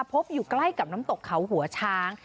พบอยู่ใกล้กับน้ำตกเขาหัวช้าง